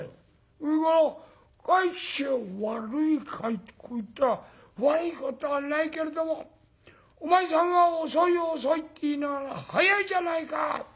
それから『帰ってきたら悪いかい？』とこう言ったら『悪いことはないけれどもお前さんは遅い遅いって言いながら早いじゃないか！